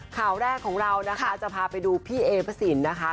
ข่าวแรกของเรานะคะจะพาไปดูพี่เอพระสินนะคะ